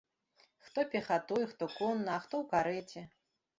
Хто пехатой, хто конна, а хто ў карэце.